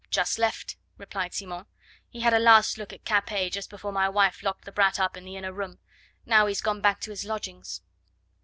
"Just left," replied Simon. "He had a last look at Capet just before my wife locked the brat up in the inner room. Now he's gone back to his lodgings."